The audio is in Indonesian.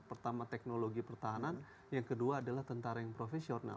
pertama teknologi pertahanan yang kedua adalah tentara yang profesional